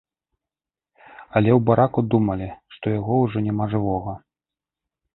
Але ў бараку думалі, што яго ўжо няма жывога.